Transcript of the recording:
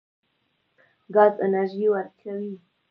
ګاز انرژي ورکوي.